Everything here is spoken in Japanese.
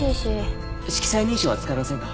色彩認証は使えませんか？